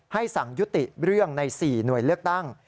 สั่งยุติเรื่องใน๔หน่วยเลือกตั้ง